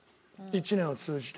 一年を通じて。